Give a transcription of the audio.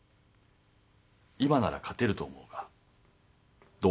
今なら勝てると思うがどうだ？